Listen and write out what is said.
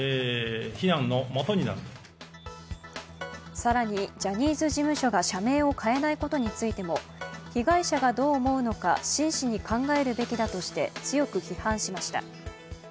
更にジャニーズ事務所が社名を変えないことについても被害者がどう思うのか真摯に考えるべきだとして強く批判しました。